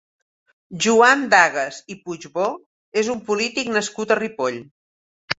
Joan Dagas i Puigbó és un polític nascut a Ripoll.